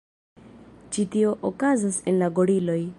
Ĉi tio okazas en la goriloj.